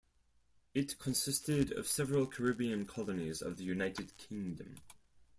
It consisted of several Caribbean colonies of the United Kingdom.